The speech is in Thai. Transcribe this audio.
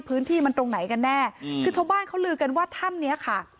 พื้นที่มันตรงไหนกันแน่คือชาวบ้านเขาลือกันว่าถ้ำเนี้ยค่ะ